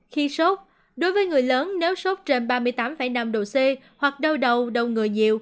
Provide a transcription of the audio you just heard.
khi sốt đối với người lớn nếu sốt trên ba mươi tám năm độ c hoặc đau đầu người nhiều